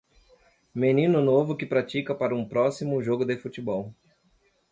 Menino novo que pratica para um próximo jogo de futebol.